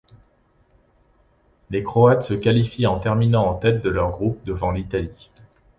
Les Croates se qualifient en terminant en tête de leur groupe devant l'Italie.